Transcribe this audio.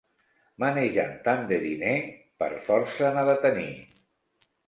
Manejant tant de diner, per força n'ha de tenir.